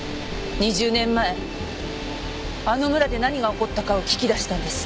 ２０年前あの村で何が起こったかを聞き出したんです。